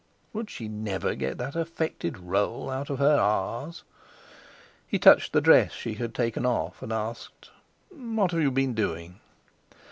Would she never get that affected roll out of her r's? He touched the dress she had taken off, and asked: "What have you been doing?"